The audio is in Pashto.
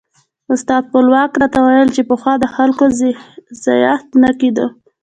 استاد خپلواک راته ویل چې پخوا د خلکو ځایښت نه کېده.